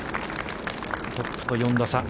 トップと４打差。